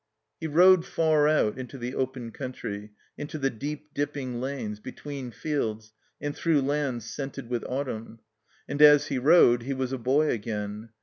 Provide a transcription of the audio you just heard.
He rode far out into the open country, into the deep dipping lanes, between fields, and through lands scented with autumn. And as he rode he was a boy again.